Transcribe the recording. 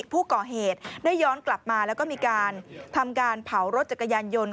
ผู้ก่อเหตุได้ย้อนกลับมาแล้วก็มีการทำการเผารถจักรยานยนต์